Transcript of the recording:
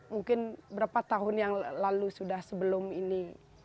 mungkin berapa tahun yang lalu sudah sebelum ini